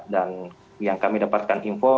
dan yang kami dapatkan info